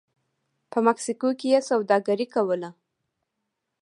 په مکسیکو کې یې سوداګري کوله